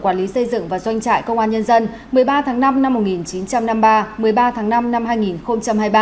quản lý xây dựng và doanh trại công an nhân dân một mươi ba tháng năm năm một nghìn chín trăm năm mươi ba một mươi ba tháng năm năm hai nghìn hai mươi ba